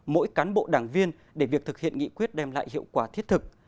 mỗi cán bộ đảng viên để việc thực hiện nghị quyết đem lại hiệu quả thiết thực